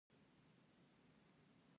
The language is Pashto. ډاکتر راڅخه وپوښتل نوم دې څه ديه.